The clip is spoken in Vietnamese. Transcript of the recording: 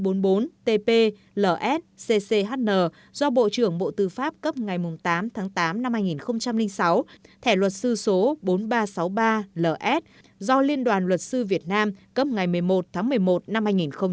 bà hà ni được cấp chính chỉ hành nghề luật sư số hai nghìn chín trăm bốn mươi bốn tp hcm do bộ trưởng bộ tư pháp cấp ngày tám tháng tám năm hai nghìn sáu thẻ luật sư số bốn nghìn ba trăm sáu mươi ba ls do liên đoàn luật sư việt nam cấp ngày một mươi một tháng một mươi một năm hai nghìn một mươi năm